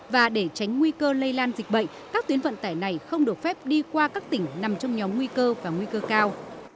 và để tránh nguy cơ lây lan dịch bệnh các tuyến vận tải này không được phép đi qua các tỉnh nằm trong nhóm nguy cơ và nguy cơ cao